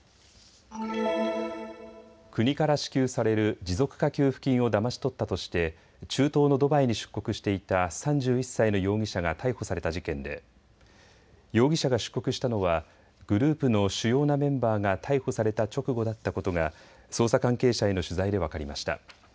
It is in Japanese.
国から支給される持続化給付金をだまし取ったとして中東のドバイに出国していた３１歳の容疑者が逮捕された事件で容疑者が出国したのはグループの主要なメンバーが逮捕された直後だったことが捜査関係者への取材で分かりました。